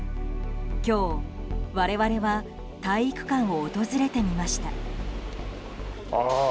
今日、我々は体育館を訪れてみました。